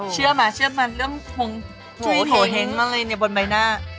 เชื่อมั้ยเรื่องโงเห้งบนใบหน้า